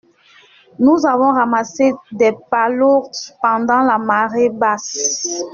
Nous avons ramassé des palourdes pendant la marée basse.